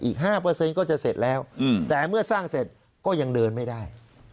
อีกห้าเปอร์เซ็นต์ก็จะเสร็จแล้วอืมแต่เมื่อสร้างเสร็จก็ยังเดินไม่ได้